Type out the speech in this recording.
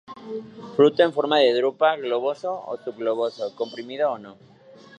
Fruto en forma de drupa, globoso o subgloboso, comprimido o no.